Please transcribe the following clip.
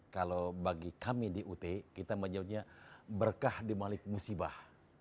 kalau bagi kami di ut kita menyebutnya berkah di balik musibah